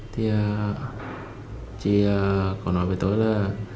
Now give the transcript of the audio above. thì chị có nói với tôi là